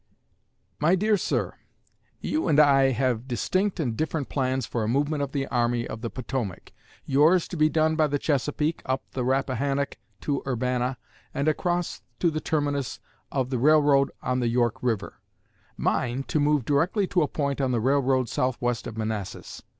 MY DEAR SIR: You and I have distinct and different plans for a movement of the Army of the Potomac; yours to be done by the Chesapeake, up the Rappahannock to Urbana, and across to the terminus of the railroad on the York river; mine to move directly to a point on the railroad southwest of Manassas.